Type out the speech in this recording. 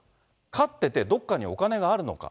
勝っててどっかにお金があるのか。